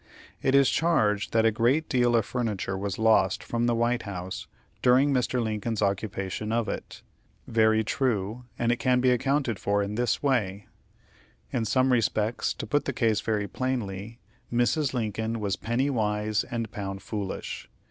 It is charged that a great deal of furniture was lost from the White House during Mr. Lincoln's occupation of it. Very true, and it can be accounted for in this way: In some respects, to put the case very plainly, Mrs. Lincoln was "penny wise and pound foolish."